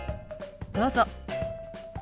どうぞ。